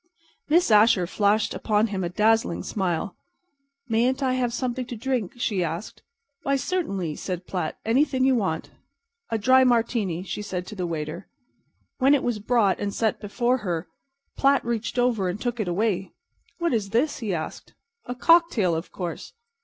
Miss Asher flashed upon him a dazzling smile. "Mayn't I have something to drink?" she asked. "Why, certainly," said Platt. "Anything you want." "A dry Martini," she said to the waiter. When it was brought and set before her Platt reached over and took it away. "What is this?" he asked. "A cocktail, of course."